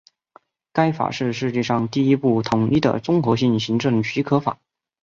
该法是世界上第一部统一的综合性行政许可法。